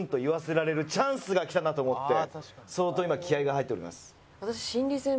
相当今気合が入っております。